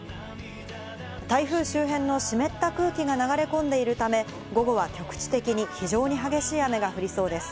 台風周辺の湿った空気が流れ込んでいるため、午後は局地的に非常に激しい雨が降りそうです。